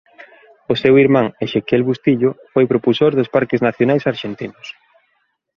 O seu irmán Exequiel Bustillo foi propulsor dos Parques Nacionais arxentinos.